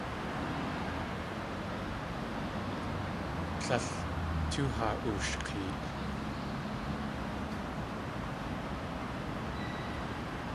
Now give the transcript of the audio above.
Tlél tóo haa ooshk̲eet.